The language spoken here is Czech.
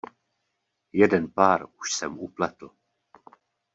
Jeden pár už jsem upletl.